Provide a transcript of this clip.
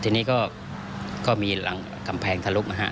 ทีนี้ก็มีหลังกำแพงทะลุนะฮะ